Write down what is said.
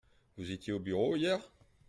Vous étiez au bureau hier ?